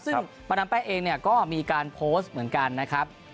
ซึ่งประดับแป๊กเองก็มีการโพสต์เหมือนกันนะครับ